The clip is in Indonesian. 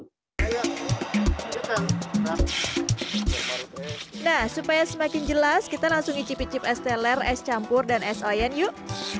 nah supaya semakin jelas kita langsung icip icip es teler es campur dan es oyen yuk